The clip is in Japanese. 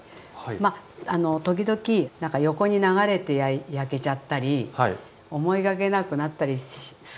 まああの時々何か横に流れて焼けちゃったり思いがけなくなったりするんですよ。